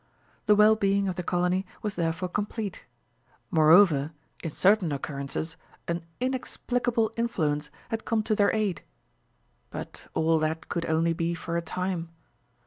The wellbeing of the colony was therefore complete. Moreover, in certain occurrences an inexplicable influence had come to their aid!... But all that could only be for a time.